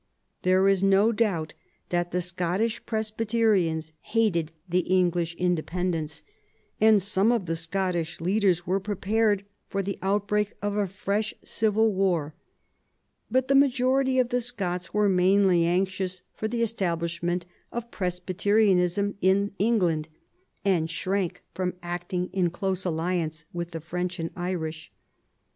There is no doubt that the Scottish Presbyterians hated the English Independents, and some of the Scottish leaders were prepared for the outbreak of a fresh civil war ; but the majority of the Scots were mainly anxious for the establishment of Presbyterianism in England, and shrank from acting in close alliance with the French and Irish.